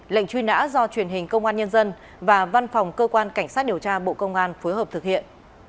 lệnh truy nã do truyền hình công an nhân dân và văn phòng cơ quan cảnh sát điều tra bộ công an phối hợp thực hiện